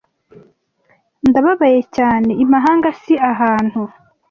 Ndababaye cyane, imahanga si ahantu